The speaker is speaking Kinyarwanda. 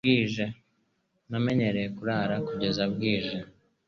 Namenyereye kurara kugeza bwije.